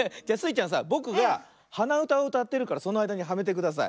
ちゃんさぼくがはなうたをうたってるからそのあいだにはめてください。